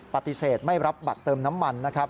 ปฏิเสธไม่รับบัตรเติมน้ำมัน